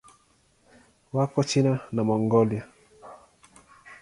Wako China na Mongolia.